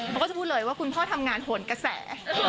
เขาก็จะพูดเลยว่าคุณพ่อทำงานโหนกระแส